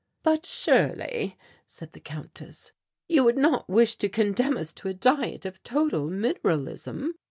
"But surely," said the Countess, "you would not wish to condemn us to a diet of total mineralism?"